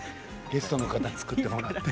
ゲストの方に作ってもらって。